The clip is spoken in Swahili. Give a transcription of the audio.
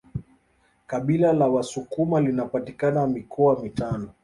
Kabila la wasukuma linapatikana mikoa mitano